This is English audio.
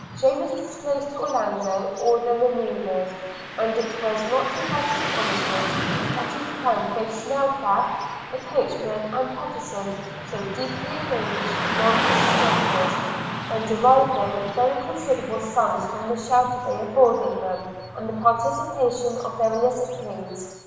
Jonas disclosed to Orlando all their manoeuvres; and it was not without astonishment that he found both Snelcraft the coachman and Pattenson so deeply engaged among the smugglers, and deriving very considerable sums from the shelter they afforded them, and the participation of their illicit gains.